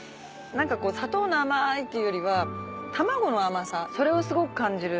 砂糖の甘いっていうよりは卵の甘さそれをすごく感じる。